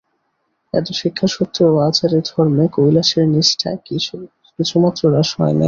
এত শিক্ষা সত্ত্বেও আচারে ধর্মে কৈলাসের নিষ্টা কিছুমাত্র হ্রাস হয় নাই।